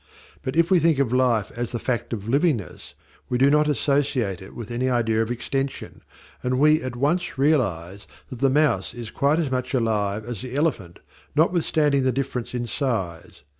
But if we think of Life as the fact of livingness we do not associate it with any idea of extension, and we at once realize that the mouse is quite as much alive as the elephant, notwithstanding the difference in size.